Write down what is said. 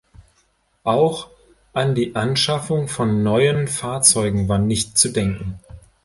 Auch an die Anschaffung von neuen Fahrzeugen war nicht zu denken.